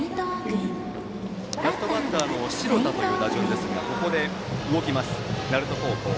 ラストバッター城田の打順ですがここで動きます、鳴門高校。